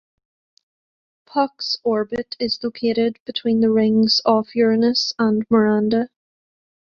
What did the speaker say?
Puck's orbit is located between the rings of Uranus and Miranda.